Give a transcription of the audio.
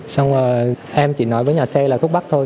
xong rồi em chỉ nói với nhà xe là thúc bắt thôi